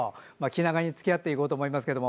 気長につきあっていこうと思いますけど。